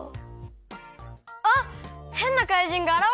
あっへんなかいじんがあらわれた！